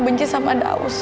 benci sama daus